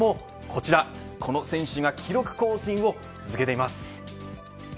この選手が記録更新を続けています。